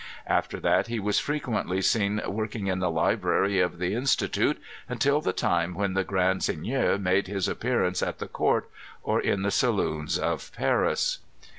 After that he was frequently seen work ing in the library of the Institute until the time when the Grand Seigneur made nis appearance at the court or in the saloons of Paris.